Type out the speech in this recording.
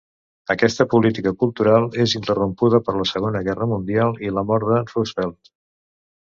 Aquesta política cultural és interrompuda per la Segona Guerra Mundial i la mort de Roosevelt.